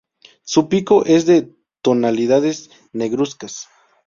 Su pico es de tonalidades negruzcas.